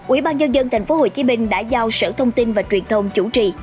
ubnd tp hcm đã giao sở thông tin và truyền thông chủ trì